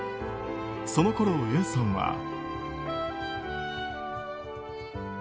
そのころ、Ａさんは。